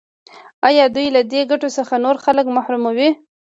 آیا دوی له دې ګټو څخه نور خلک محروموي؟